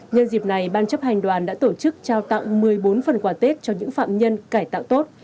nhân dịp này ban chấp hành đoàn đã tổ chức trao tặng một mươi bốn phần quà tết cho những phạm nhân cải tạo tốt